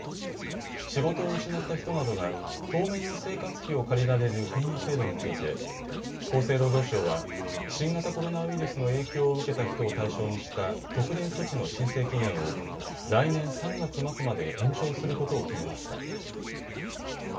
仕事を失った人などが当面の生活費を借りられる国の制度について厚生労働省は新型コロナウイルスの影響を受けた人を対象にした特例措置の申請期限を来年３月末まで延長することを決めました。